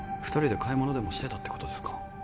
二人で買い物でもしてたってことですか？